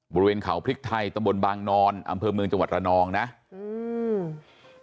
บริเวณเขาพริกไทยตะบนบางนอนอำเภอเมืองจังหวัดระนองนะอืม